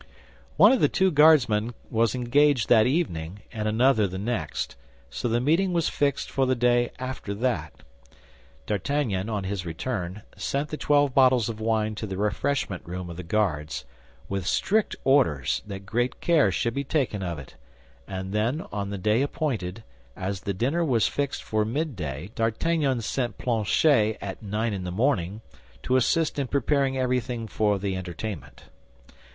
One of the two Guardsmen was engaged that evening, and another the next, so the meeting was fixed for the day after that. D'Artagnan, on his return, sent the twelve bottles of wine to the refreshment room of the Guards, with strict orders that great care should be taken of it; and then, on the day appointed, as the dinner was fixed for midday D'Artagnan sent Planchet at nine in the morning to assist in preparing everything for the entertainment.